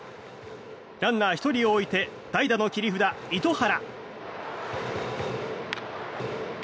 ランナー１人を置いて代打の切り札、糸原。